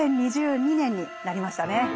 ２０２２年になりましたね。